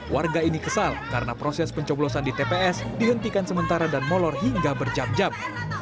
warga ini kesal karena proses pencoblosan di tps dihentikan sementara dan molor hingga berjam jam